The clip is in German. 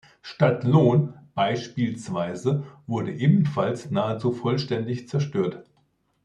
Stadtlohn beispielsweise wurde ebenfalls nahezu vollständig zerstört.